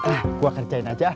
ah gua kerjain aja